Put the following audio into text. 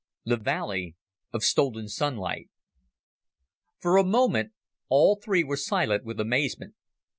The Valley of Stolen Sunlight For a moment all three were silent with amazement.